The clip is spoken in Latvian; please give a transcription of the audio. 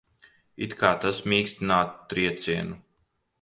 It kā tas mīkstinātu triecienu.